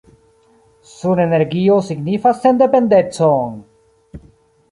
Sunenenergio signifas sendependecon!